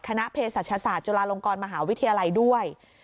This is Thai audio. คณะเพศศาสตร์จุฬาลงกรมหาวิทยาลัยด้วย